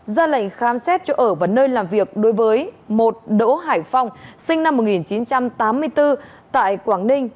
ra lệnh khám xét chỗ ở và nơi làm việc đối với một đỗ hải phong sinh năm một nghìn chín trăm tám mươi bốn tại quảng ninh